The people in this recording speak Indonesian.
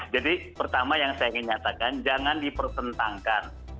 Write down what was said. jadi pertama yang saya ingin nyatakan jangan dipertentangkan